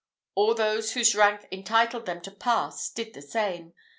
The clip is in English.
All those whose rank entitled them to pass did the same.